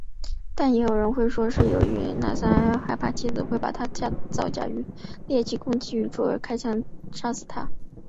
但也有人说是由于梅纳茨哈根害怕妻子会把他的造假与劣迹公之于众而开枪杀死她的。